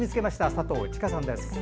佐藤千佳さんです。